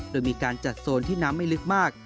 โดยมีการจัดโซนที่น้ำไม่ลึกมาก